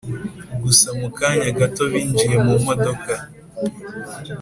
gusa mukanya gato binjiye mumodoka